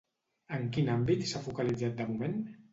En quin àmbit s'ha focalitzat de moment?